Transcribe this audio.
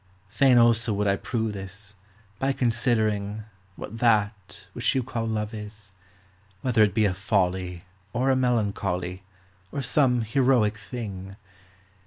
Fain also would I prove this, By considering What that, which you call love, is : Whether it be a folly Or a melancholy, Or some heroic thing